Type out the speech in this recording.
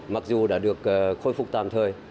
mặc dù đã được khôi phục tạm thời